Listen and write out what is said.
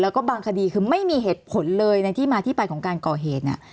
แล้วก็บางคดีคือไม่มีเหตุผลเลยในที่มาที่ไปของการก่อเหตุเนี่ย